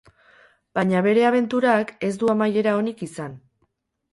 Baina bere abenturak ez du amaiera onik izan.